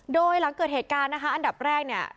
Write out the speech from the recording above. โดยหลังเกิดเหตุการณ์อันดับแรก